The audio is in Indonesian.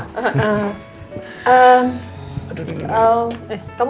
kamu capek banget